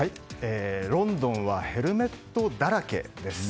ロンドンはヘルメットだらけです。